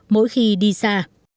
mỗi khi đi xa